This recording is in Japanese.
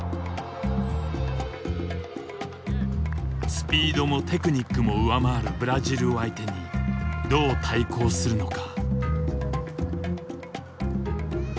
スピードもテクニックも上回るブラジルを相手にどう対抗するのか。